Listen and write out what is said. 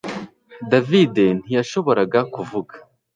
David ntiyashoboraga kuvuga